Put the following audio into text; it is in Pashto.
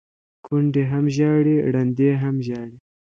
ـ کونډې هم ژاړي ړنډې هم ژاړي،